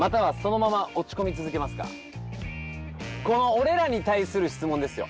俺らに対する質問ですよ。